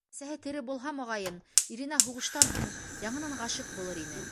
Әсәһе тере булһа, моғайын, иренә һуғыштан һуң яңынан ғашиҡ булыр ине.